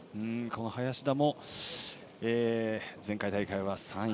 林田も前回大会は３位。